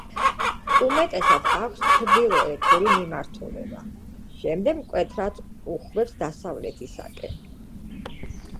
უმეტესად აქვს ჩრდილოეთური მიმართულება, შემდეგ მკვეთრად უხვევს დასავლეთისაკენ.